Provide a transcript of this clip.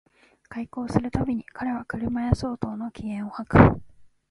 邂逅する毎に彼は車屋相当の気焔を吐く